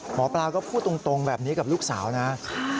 หมอปลาก็พูดตรงแบบนี้กับลูกสาวนะ